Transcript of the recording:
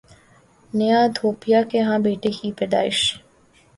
نیہا دھوپیا کے ہاں بیٹی کی پیدائش